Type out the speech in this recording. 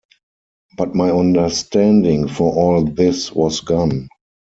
But my understanding for all this was gone.